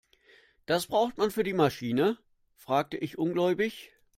Das braucht man für die Maschine?, fragte ich ungläubig.